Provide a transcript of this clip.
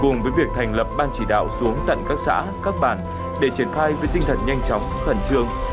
cùng với việc thành lập ban chỉ đạo xuống tận các xã các bản để triển khai với tinh thần nhanh chóng khẩn trương